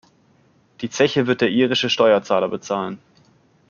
Die Zeche wird der irische Steuerzahler bezahlen!